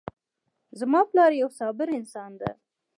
زما پلار یو صابر انسان ده